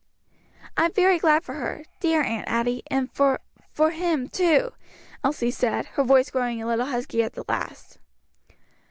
"I am very glad for her dear Aunt Adie and for for him too," Elsie said, her voice growing a little husky at the last.